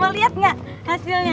mau lihat nggak hasilnya